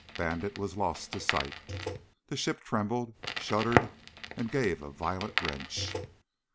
Bandit was lost to sight. The ship trembled, shuddered and gave a violent wrench.